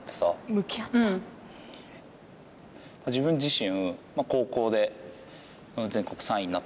自分自身高校で全国３位になったり。